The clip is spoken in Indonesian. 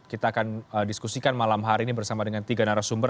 kita akan diskusikan malam hari ini bersama dengan tiga narasumber